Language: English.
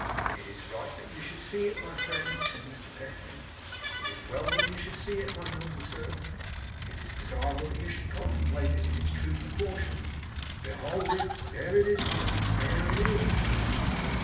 'It is right that you should see it, my friend,' said Mr Pecksniff. 'It is well that you should see it, my noble sir. It is desirable that you should contemplate it in its true proportions. Behold it! There it is, sir. There it is!